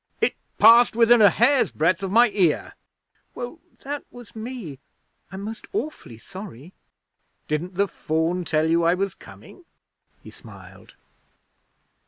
'It passed within a hair's breadth of my ear.' 'Well, that was me. I'm most awfully sorry.' 'Didn't the Faun tell you I was coming?' He smiled.